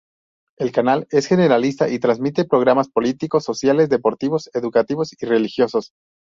El canal es generalista y transmite programas políticos, sociales, deportivos, educativos y religiosos.